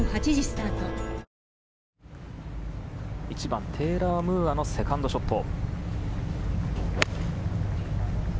１番、テーラー・ムーアのセカンドショット。